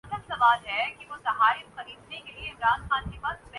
اب رت بدلی ہے۔